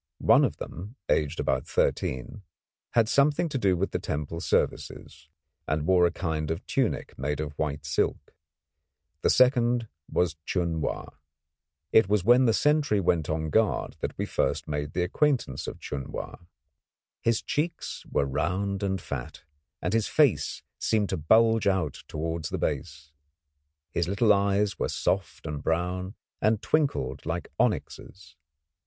One of them, aged about thirteen, had something to do with the temple services, and wore a kind of tunic made of white silk. The second was Chun Wa. It was when the sentry went on guard that we first made the acquaintance of Chun Wa. His cheeks were round and fat, and his face seemed to bulge out towards the base. His little eyes were soft and brown and twinkled like onyxes.